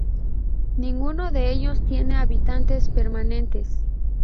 Ninguno de ellos tiene habitantes permanentes.